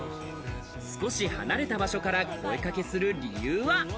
少し離れた場所から声掛けする理由は。